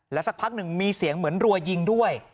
สักพักหนึ่งมีเสียงเหมือนรัวยิงด้วย